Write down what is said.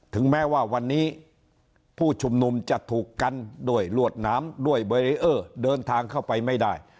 ถึงแม้ว่าวันนี้ผู้ชุมนุมจะถูกกันด้วยลวดน้ำด้วยเบรีเออร์เดินทางเข้าไปไม่ได้